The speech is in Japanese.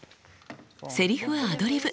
セリフはアドリブ。